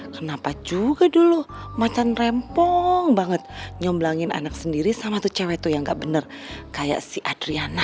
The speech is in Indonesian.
kenapa juga dulu macan rempong banget nyoblangin anak sendiri sama tuh cewek tuh yang gak bener kayak si adriana